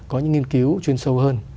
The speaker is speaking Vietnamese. có những nghiên cứu chuyên sâu hơn